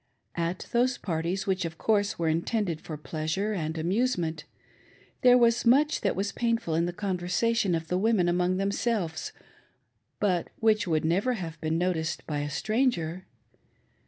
At those if)arties, which, of course, were intended for pleasure and ■ amusetaent, there was much that was painful in the conversation ' of the women among themselves, but which would never have been noticed by a stranger.